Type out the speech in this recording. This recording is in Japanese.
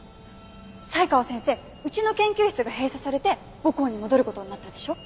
才川先生うちの研究室が閉鎖されて母校に戻る事になったでしょ？